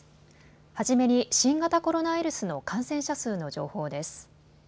初めに新型コロナウイルスの感染者数の情報です。